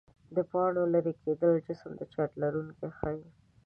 د پاڼو لیري کېدل جسم د چارج لرونکی ښيي.